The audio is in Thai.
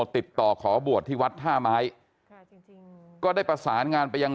ติดต่อขอบวชที่วัดท่าไม้ก็ได้ประสานงานไปยัง